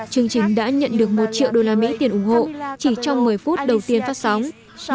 chương trình đã nhận được một triệu đô la mỹ tiền ủng hộ chỉ trong một mươi phút đầu tiên phát sóng